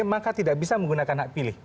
maka tidak bisa menggunakan hak pilih